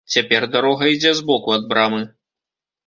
Цяпер дарога ідзе збоку ад брамы.